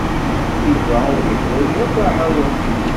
Yuba ur yeḥwaj akk aɛawen.